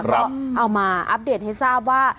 ก็เอามาอัปเดตให้ทราบว่า